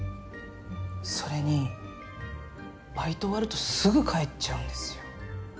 それにバイト終わるとすぐ帰っちゃうんですよ。